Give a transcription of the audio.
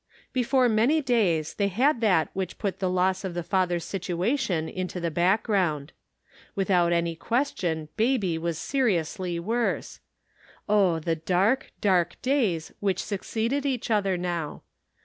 Before many days they had that which put the loss of the father's situation into the back ground. Without any question baby was seriously worse. Oh, the dark, dark days which succeeded each other now